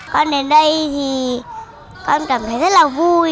con đến đây thì con cảm thấy rất là vui